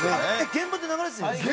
現場で流れてるんですか？